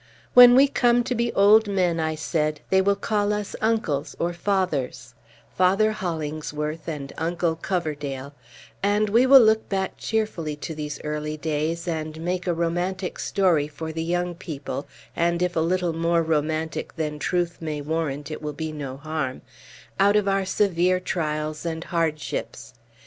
"When we come to be old men," I said, "they will call us uncles, or fathers, Father Hollingsworth and Uncle Coverdale, and we will look back cheerfully to these early days, and make a romantic story for the young People (and if a little more romantic than truth may warrant, it will be no harm) out of our severe trials and hardships.